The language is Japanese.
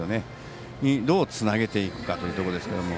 そこに、どうつなげていくかというところですけれども。